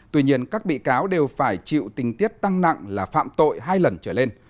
tuy nhiên các bị cáo đều phải chịu tình tiết tăng nặng là phạm tội hai lần trở lên